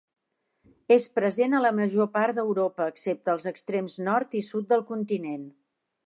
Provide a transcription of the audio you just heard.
És present a la major part d'Europa, excepte als extrems nord i sud del continent.